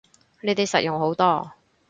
呢啲實用好多